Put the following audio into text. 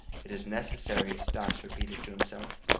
"It is necessary," Stas repeated to himself.